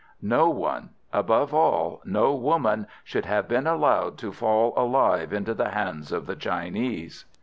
"No one—above all, no woman—should have been allowed to fall alive into the hands of the Chinese."